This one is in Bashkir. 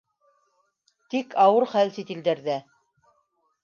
Тик ауыр хәл сит илдәрҙә